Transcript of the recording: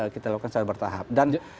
kita lakukan secara bertahap dan